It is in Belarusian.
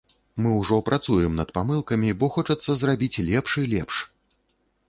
Мы ўжо працуем над памылкамі, бо хочацца зрабіць лепш і лепш.